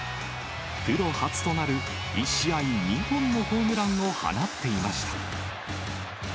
プロ初となる１試合２本のホームランを放っていました。